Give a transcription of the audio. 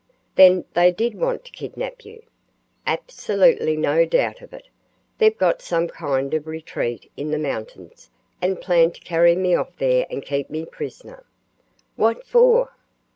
"Then they did want to kidnap you?" "Absolutely no doubt of it. They've got some kind of retreat in the mountains, and planned to carry me off there and keep me prisoner." "What for?"